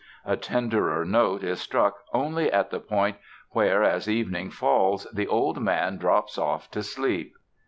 A tenderer note is struck only at the point where, as evening falls, the old man drops off to sleep.